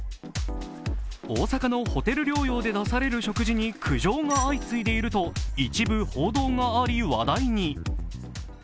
大阪のホテル療養で出される食事に苦情が相次いでいると一部報道があり、話題に。